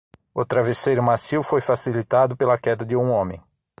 O travesseiro macio foi facilitado pela queda de um homem.